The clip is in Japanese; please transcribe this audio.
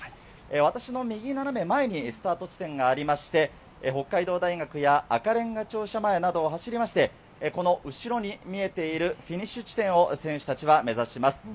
私の右斜め前にスタート地点がありまして、北海道大学や赤れんが庁舎前などを走りまして、この後ろに見えているフィニッシュ地点を選手たちは目指します。